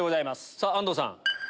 さぁ安藤さん。